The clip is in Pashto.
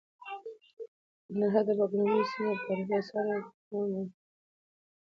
د ننګرهار د بګراميو سیمه د تاریخي اثارو او لرغونو موندنو بډایه خزانه ده.